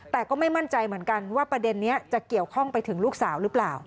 แต่ก็ไม่มั่นใจเหมือนกันว่าประเด็นนี้จะเกี่ยวข้องไปถึงลูกสาวหรือเปล่า